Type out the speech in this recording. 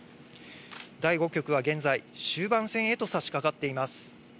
第５局は現在、終盤戦へとさしかかっています。